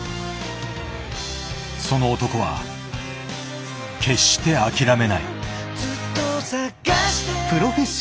その男は決して諦めない。